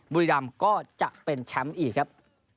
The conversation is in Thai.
บุรีรำก็จะเป็นแชมป์อีกครับ